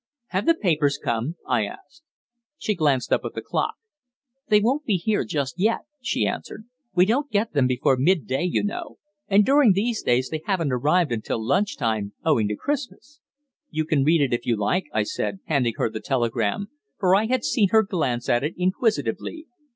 "Have the papers come?" I asked. She glanced up at the clock. "They won't be here just yet," she answered. "We don't get them before midday, you know, and during these days they haven't arrived until lunch time, owing to Christmas." "You can read it if you like," I said, handing her the telegram, for I had seen her glance at it inquisitively.